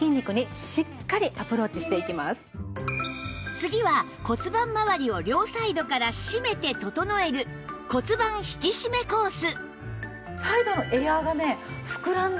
次は骨盤まわりを両サイドから締めて整える骨盤引き締めコース